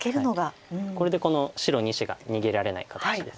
これでこの白２子が逃げられない形です。